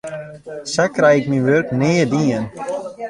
Sa krij ik myn wurk nea dien.